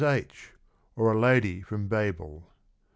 H , OR A LADY FROM BABEL.